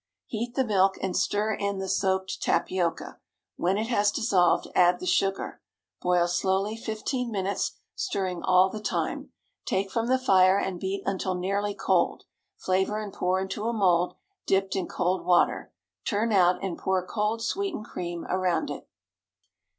Heat the milk, and stir in the soaked tapioca. When it has dissolved, add the sugar. Boil slowly fifteen minutes, stirring all the time; take from the fire, and beat until nearly cold. Flavor and pour into a mould dipped in cold water. Turn out, and pour cold sweetened cream around it.